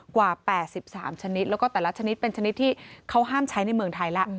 กว่า๘๓ชนิดแล้วก็แต่ละชนิดเป็นชนิดที่เขาห้ามใช้ในเมืองไทยแล้ว